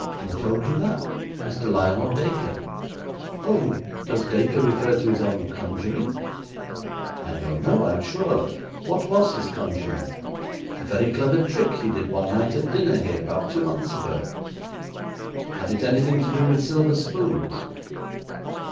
'Who told you that?' 'Mr. Lionel Dacre.' 'Oh, does Dacre refer to his own conjuring?' 'I don't know, I'm sure. What was his conjuring?' 'A very clever trick he did one night at dinner here about two months ago.' 'Had it anything to do with silver spoons?'